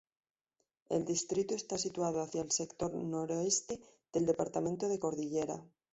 El distrito está situado hacia el sector noroeste del Departamento de Cordillera.